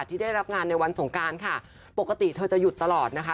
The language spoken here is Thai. ที่ได้รับงานในวันสงการค่ะปกติเธอจะหยุดตลอดนะคะ